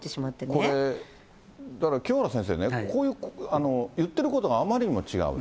これ、だから清原先生ね、言ってることがあまりにも違う。